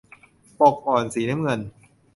ปกอ่อน สีน้ำเงิน